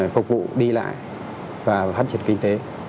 phục vụ đi lại và phát triển kinh tế